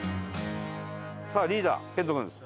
さあリーダー遣都君です。